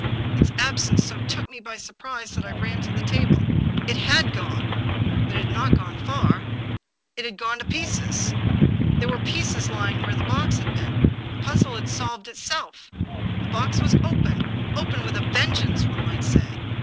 Its absence so took me by surprise that I ran to the table. It had gone. But it had not gone far; it had gone to pieces ! There were the pieces lying where the box had been. The puzzle had solved itself. The box was open, open with a vengeance, one might say.